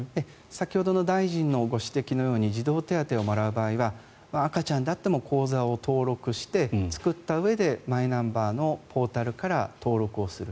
先ほどの大臣のご指摘のように児童手当をもらう場合は赤ちゃんであっても口座を登録して作ったうえでマイナンバーのポータルから登録をする。